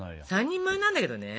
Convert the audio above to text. ３人前なんだけどね。